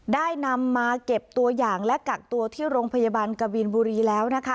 ได้นำมาเก็บตัวอย่างและกักตัวที่โรงพยาบาลกบินบุรีแล้วนะคะ